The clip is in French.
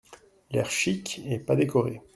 L’air chic et pas décorés.